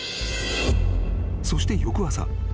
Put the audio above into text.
［そして翌朝。